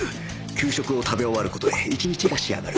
給食を食べ終わる事で一日が仕上がる